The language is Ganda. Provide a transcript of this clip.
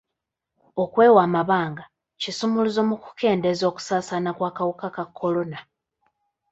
Okwewa amabanga kisumuluzo mu kukendeeza okusaasaana kw'akawuka ka kolona.